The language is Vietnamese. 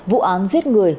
vụ án giết người